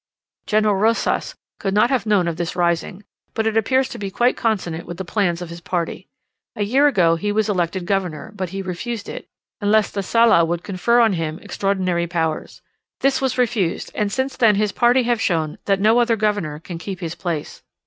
General Rosas could not have known of this rising; but it appears to be quite consonant with the plans of his party. A year ago he was elected governor, but he refused it, unless the Sala would also confer on him extraordinary powers. This was refused, and since then his party have shown that no other governor can keep his place.